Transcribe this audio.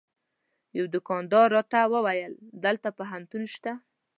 یوه دوکاندار راته وویل دلته پوهنتون شته.